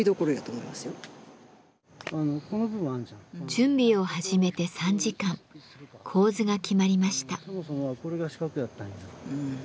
準備を始めて３時間構図が決まりました。